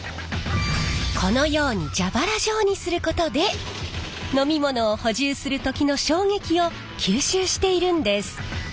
このように蛇腹状にすることで飲み物を補充する時の衝撃を吸収しているんです。